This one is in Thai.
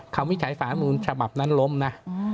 เขาไม่ใช้สารมูลฉบับนั้นล้มนะ